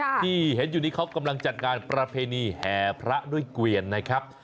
ที่เห็นอยู่นี้เขากำลังจัดงานประเพณีแห่พระด้วยเกวียนนะครับ